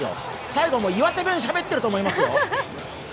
最後、もう岩手弁しゃべってると思いますよ。